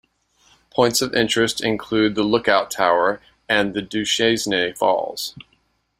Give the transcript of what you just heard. Points of interest include the Lookout Tower and Duchesnay Falls.